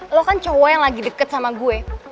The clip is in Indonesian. lo kan cowok yang lagi deket sama gue